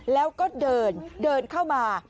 แล้วก็เดินเดินเข้ามา